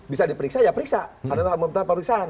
bisa diperiksa ya periksa karena meminta pemeriksaan